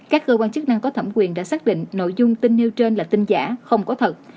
các cơ quan chức năng có thẩm quyền đã xác định nội dung tin nêu trên là tin giả không có thật